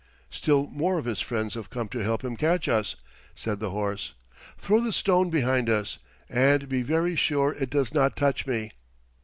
"Still more of his friends have come to help him catch us," said the horse. "Throw the stone behind us, but be very sure it does not touch me."